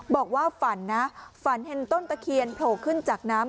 บอกว่าฝันนะฝันเห็นต้นตะเคียนโผล่ขึ้นจากน้ำ